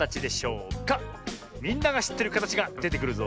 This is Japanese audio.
みんながしってるかたちがでてくるぞ。